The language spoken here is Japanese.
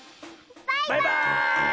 バイバーイ！